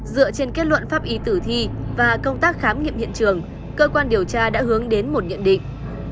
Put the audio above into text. dựa trên kết luận pháp y tử thi và công tác khám nghiệm hiện trường cơ quan điều tra đã hướng đến một nhận định